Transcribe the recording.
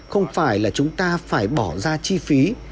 không phải là chúng ta phải bỏ ra chi phí